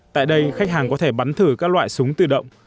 tại đây khách hàng có thể bắn thử các loại súng tự động